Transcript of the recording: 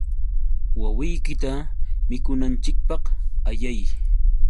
Wawiykita mikunanchikpaq ayay.